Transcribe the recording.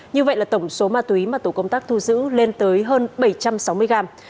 như vậy là tổng số ma túy mà tổ công tác thu giữ lên tới hơn bảy trăm sáu mươi gram